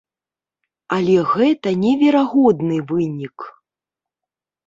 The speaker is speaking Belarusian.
Але гэта неверагодны вынік.